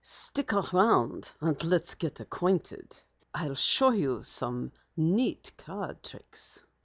"Stick around and let's get acquainted. I'll show you some neat card tricks."